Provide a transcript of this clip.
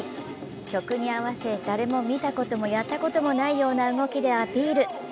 曲に合わせ誰も見たこともやったこともないような動きでアピール。